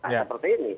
kan seperti ini